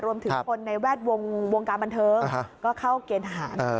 รวมถึงคนในแวดวงการบันเทิงก็เข้าเกณฑ์ทหาร